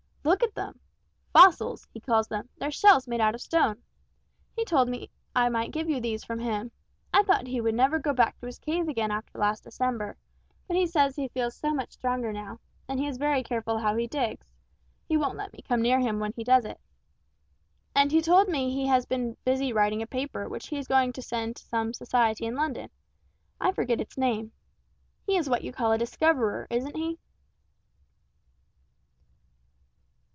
Look at them! 'Fossils' he calls them, they're shells made out of stone. He told me I might give you these from him. I thought he would never go back to his cave again after last December, but he says he feels so much stronger now; and he is very careful how he digs; he won't let me come near him while he does it. And he told me he has been busy writing a paper which he is going to send to some society in London I forget its name. He is what you call a discoverer, isn't he?"